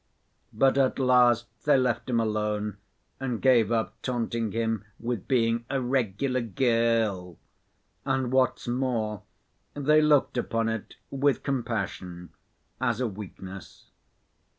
But at last they left him alone and gave up taunting him with being a "regular girl," and what's more they looked upon it with compassion as a weakness.